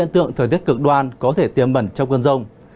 thời tiết cực đoan có thể tiềm mẩn trong cơn rông